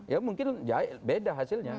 ya mungkin beda hasilnya